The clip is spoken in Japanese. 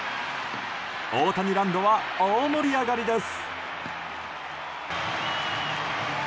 オオタニランドは大盛り上がりです。